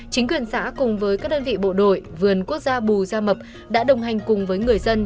chính quyền xã cùng với các đơn vị bộ đội vườn quốc gia bù gia mập đã đồng hành cùng với người dân